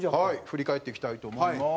振り返っていきたいと思います。